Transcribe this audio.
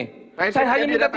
saya hanya minta tiga menit